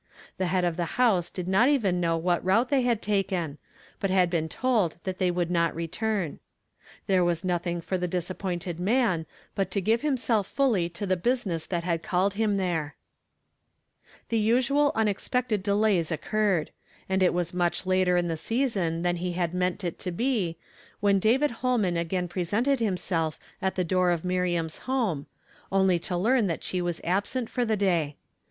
The head of the house did not even know what route they had taken, but had been told tnat they wmilfl Tint rpf,,..v. a^u •^ 'ecaxii. xiiuxe was noUiing for "GIVE trs HELP PROM TROTTBLE." 265 the disappointed man but to give himself fully to the business that had called him there. The usual unexpected delays occurred ; and it was much later in the season than he had meant it to be, when David Holman again presented himself at the door of Miriam's home, only to learn that she was absent for the day.